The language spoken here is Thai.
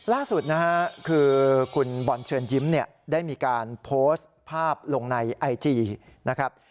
ล่าสุดนะฮะคือคุณบอลเชิญยิ้มเนี่ยได้มีการโพสต์ภาพลงในไอจีนะครับ